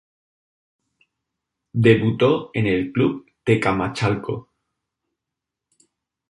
Debutó en el Club Tecamachalco.